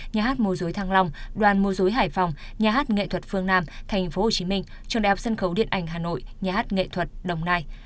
nhà hát múa rối thăng long đoàn múa rối hải phòng nhà hát nghệ thuật phương nam tp hcm trong đại học sân khấu điện ảnh hà nội nhà hát nghệ thuật đồng nai